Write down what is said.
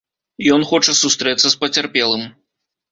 Ён хоча сустрэцца з пацярпелым.